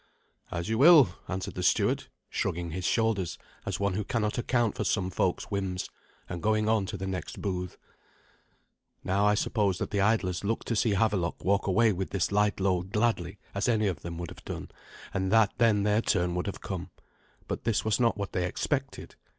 "As you will," answered the steward, shrugging his shoulders as one who cannot account for some folk's whims, and going on to the next booth. Now, I suppose that the idlers looked to see Havelok walk away with this light load gladly, as any one of them would have done, and that then their turn would have come; but this was not what they expected.